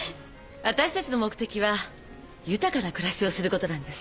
わたしたちの目的は豊かな暮らしをすることなんです。